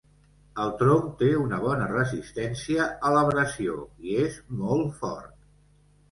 El tronc té una bona resistència a l'abrasió i és molt fort.